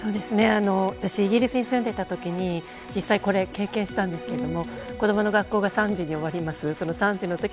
私、イギリスに住んでいたときに、実際これ経験したんですけれども子どもの学校が３時に終わります